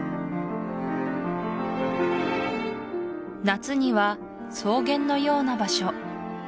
夏には草原のような場所